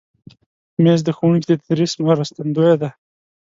مېز د ښوونکي د تدریس مرستندوی دی.